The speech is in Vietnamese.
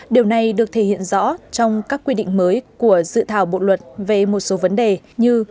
điều này được thể hiện rõ trong các quy định mới của dự thảo bộ luật về một số vấn đề như